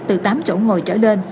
từ tám chỗ ngồi trở lên